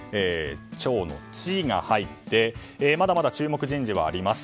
超の「チ」が入ってまだまだ注目人事はあります。